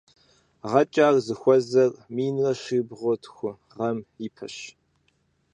Гъэкӏэ ар зыхуэзэр минрэ щибгъурэ тху гъэм ипэщ.